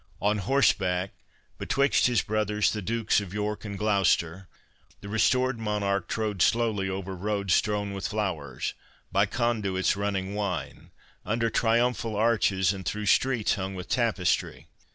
On horseback, betwixt his brothers, the Dukes of York and Gloucester, the Restored Monarch trode slowly over roads strewn with flowers—by conduits running wine, under triumphal arches, and through streets hung with tapestry.